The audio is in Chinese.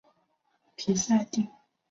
皮赛地区圣阿芒。